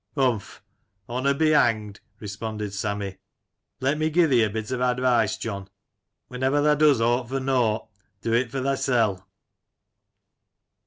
" Humph ! honour be hanged!" responded Sammy, "let me gie thee a bit of advice, John; whenever thae does ought for nought, do it for thae sell